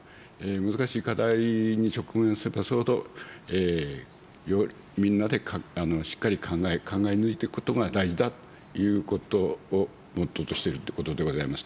難しい課題に直面すればするほど、みんなでしっかり考え、考え抜いていくことが大事だということをモットーとしてるということでございます。